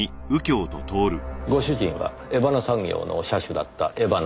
ご主人は江花産業の社主だった江花幸彦氏。